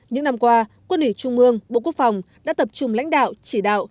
những năm qua quân ủy trung ương bộ quốc phòng đã tập trung lãnh đạo chỉ đạo